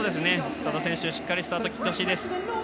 多田選手、しっかりスタートを切ってほしいです。